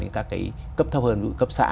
đến các cấp thấp hơn như cấp xã